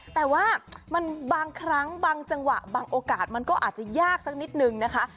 แต่ว่าบางครั้งบางจังหวะบางโอกาสมันก็อาจจะยากสักนิดนึงนะคะ